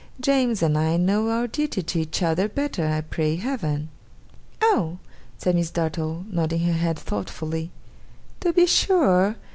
James and I know our duty to each other better, I pray Heaven!' 'Oh!' said Miss Dartle, nodding her head thoughtfully. 'To be sure.